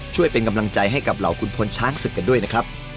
ช่วยเป็นกำลังใจให้กับเหล่าคุณพลช้างศึกกันด้วยนะครับ